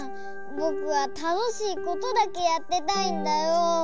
ぼくはたのしいことだけやってたいんだよ。